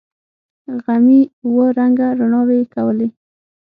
غمي اوه رنگه رڼاوې کولې.